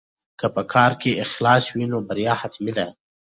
که په کار کې اخلاص وي نو بریا حتمي ده.